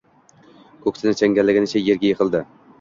Ko’ksini changallaganicha yerga yiqildi.